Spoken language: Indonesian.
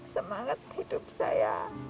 semangat hidup saya